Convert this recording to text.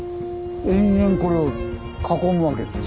延々これを囲むわけですね。